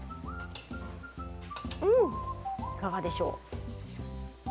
いかがでしょう。